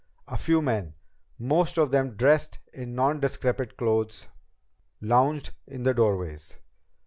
A few men, most of them dressed in nondescript clothes, lounged in the doorways.